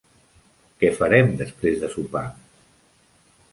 Què farem després de sopar?